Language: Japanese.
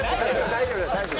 大丈夫大丈夫。